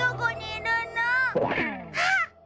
あっ！